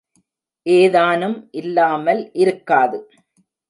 ஏதானும் இல்லாமல் இருக்காது.